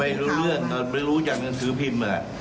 ไม่รู้เรื่องตอนไม่รู้จากหนังสือพิมพ์